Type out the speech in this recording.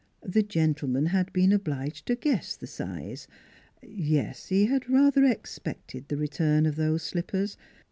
The gentleman had been obliged to guess at the size. ... Yes, he had rather expected the return of those slippers.